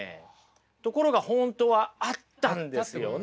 ところが本当はあったんですよね。